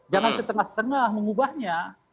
jangan setengah setengah mengubahnya